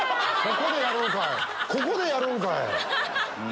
ここでやるんかい！